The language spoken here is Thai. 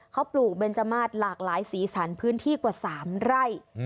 เขาปลูกเบนจมาสหลากหลายสีสันพื้นที่กว่า๓ไร่